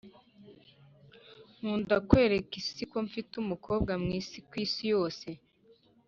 nkunda kwereka isi ko mfite umukobwa mwiza kwisi yose